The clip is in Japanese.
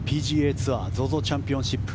ツアーＺＯＺＯチャンピオンシップ。